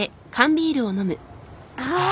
ああ。